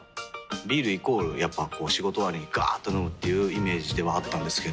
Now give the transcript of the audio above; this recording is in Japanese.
ビールイコールやっぱこう仕事終わりにガーっと飲むっていうイメージではあったんですけど。